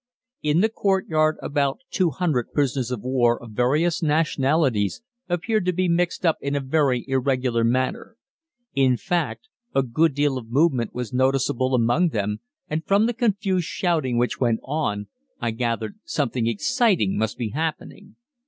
In the courtyard about 200 prisoners of war of various nationalities appeared to be mixed up in a very irregular manner; in fact, a good deal of movement was noticeable among them, and from the confused shouting which went on I gathered something exciting must be happening.